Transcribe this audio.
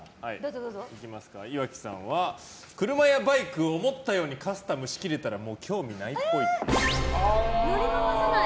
岩城さんは車やバイクを思ったようにカスタムしきれたらもう興味ないっぽい。